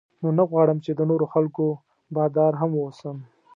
نو نه غواړم چې د نورو خلکو بادار هم واوسم.